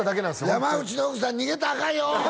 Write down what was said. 山内の奥さん逃げたらアカンよ！